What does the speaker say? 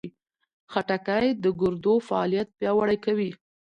خټکی د ګردو فعالیت پیاوړی کوي.